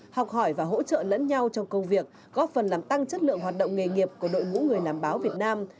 học hỏi và hỗ trợ lẫn nhau trong công việc góp phần làm tăng chất lượng hoạt động nghề nghiệp của đội ngũ người làm báo việt nam